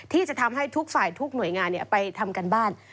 ที่จะทำให้ทุกฝ่ายทุกหน่วยงานไปทำการบ้าน